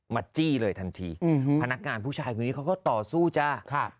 จี้เลยทันทีอืมพนักงานผู้ชายคนนี้เขาก็ต่อสู้จ้า